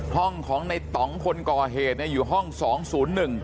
ห้องของในต่องคนก่อเหตุเนี่ยอยู่ห้องสองศูนย์หนึ่ง